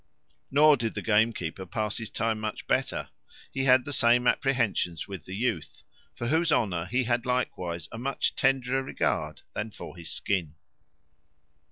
Nor did the gamekeeper pass his time much better. He had the same apprehensions with the youth; for whose honour he had likewise a much tenderer regard than for his skin.